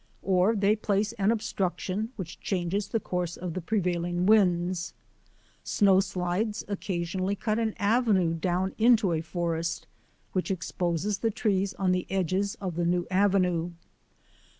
Or they place an obstruction which changes the course of the prevailing winds. Snowslides oc casionally cut an avenue down into a forest, which exposes the trees on the edges of the new avenue.